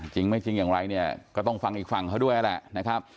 จริงไม่จริงอย่างไรเนี่ยก็ต้องฟังอีกฝั่งเขาด้วยนั่นแหละนะครับ